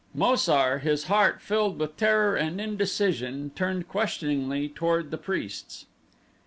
Mo sar, his heart filled with terror and indecision, turned questioningly toward the priests.